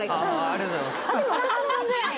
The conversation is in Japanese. ありがとうございます